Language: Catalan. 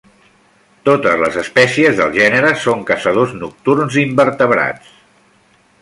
Totes les espècies del gènere són caçadors nocturns d'invertebrats.